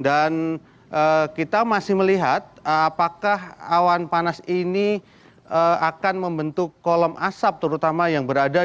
dan kita masih melihat apakah awan panas ini akan membentuk kolam asap terutama yang berada